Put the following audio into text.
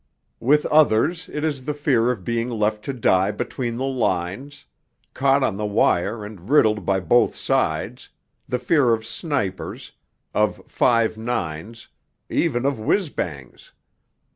With others it is the fear of being left to die between the lines, caught on the wire and riddled by both sides, the fear of snipers, of 5 9's, even of whizz bangs.